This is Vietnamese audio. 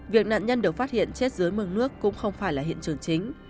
việc nạn nhân được phát hiện chết dưới mương nước cũng không phải là hiện trường chính